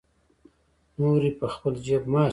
نورې په خپل جیب مه اچوه.